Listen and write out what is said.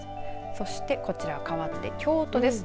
そしてこちらかわって京都です。